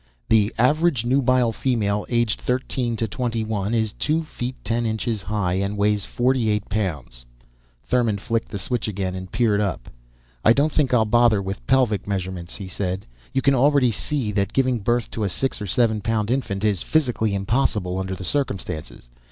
"The average nubile female, aged thirteen to twenty one, is two feet, ten inches high and weighs forty eight pounds." Thurmon flicked the switch again and peered up. "I don't think I'll bother with pelvic measurements," he said. "You can already see that giving birth to a six or seven pound infant is a physical impossibility under the circumstances.